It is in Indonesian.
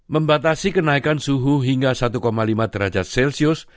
membatasi kenaikan suhu hingga satu lima derajat celcius